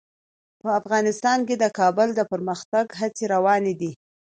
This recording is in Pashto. په افغانستان کې د کابل د پرمختګ هڅې روانې دي.